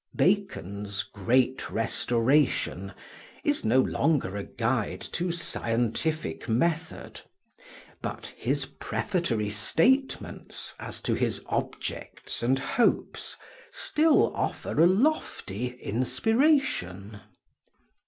Bacon's "Great Restoration" is no longer a guide to scientific method; but his prefatory statements as to his objects and hopes still offer a lofty inspiration.